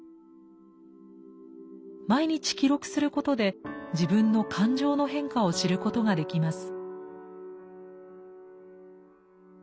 毎日記録することで自分の感情の変化を知ることができます。